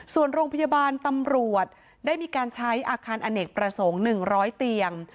ส่วนโรงพยาบาลตำรวจได้มีการใช้อาคารอเนกประสงค์๑๐๐เตียง